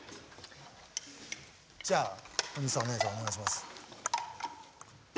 じゃあおにいさんおねえさんお願いします。